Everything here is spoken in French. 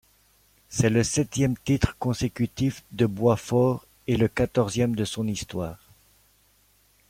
C'est le septième titre consécutif de Boitsfort et le quatorzième de son histoire.